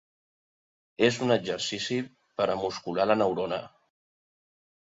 És un exercici per a muscular la neurona.